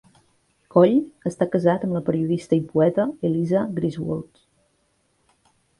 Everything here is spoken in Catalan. Coll està casat amb la periodista i poeta Eliza Griswold.